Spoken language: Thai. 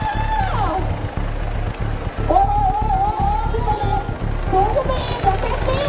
ปล่อยความฝันที่มันมอบไปแล้ว